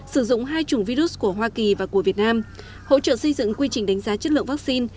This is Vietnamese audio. sử dụng hai chủng virus của hoa kỳ và của việt nam hỗ trợ xây dựng quy trình đánh giá chất lượng vaccine